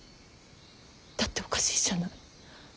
だっておかしいじゃない。